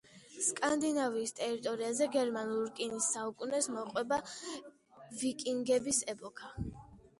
სკანდინავიის ტერიტორიაზე გერმანულ რკინის საუკუნეს მოყვება ვიკინგების ეპოქა.